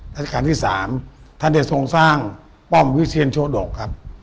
ราชการที่๓ท่านได้ทรงสร้างป้อมวิเชียนโชดกครับ